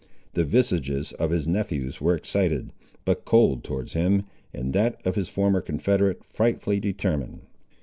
The visages of his nephews were excited, but cold towards him, and that of his former confederate frightfully determined.